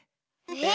え？